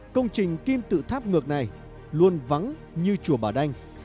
công trình kim tự tháp ngược này luôn vắng như chùa bảo đanh